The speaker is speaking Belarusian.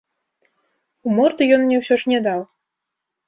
У морду ён мне ўсё ж не даў.